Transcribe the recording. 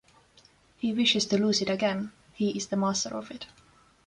He wishes to lose it again; he is the master of it.